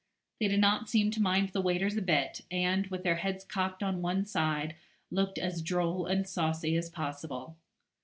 They did not seem to mind the waiters a bit, and, with their heads cocked on one side, looked as droll and saucy as possible.